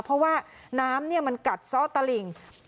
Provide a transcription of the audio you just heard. เพราะว่าน้ำมันกัดซ่อตะหลิ่ง